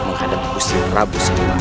menghadapi usia rabu siliwangi